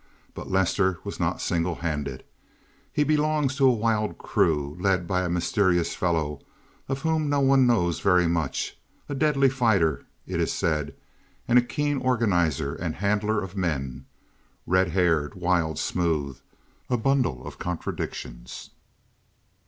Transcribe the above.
But Lester was not single handed. He belongs to a wild crew, led by a mysterious fellow of whom no one knows very much, a deadly fighter, it is said, and a keen organizer and handler of men. Red haired, wild, smooth. A bundle of contradictions.